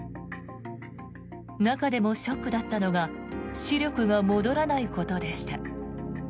中でもショックだったのが視力が戻らないことでした。